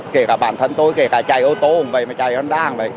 kể cả bản thân tôi kể cả chạy ô tô không vậy mà chạy honda không vậy